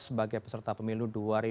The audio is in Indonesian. sebagai peserta pemilu dua ribu dua puluh